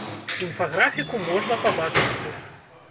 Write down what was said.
Інфаграфіку можна пабачыць тут.